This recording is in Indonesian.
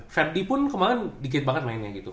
verdi pun kemaren di gade banget mainnya gitu